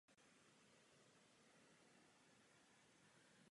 Banky zruinovaly naše ekonomiky.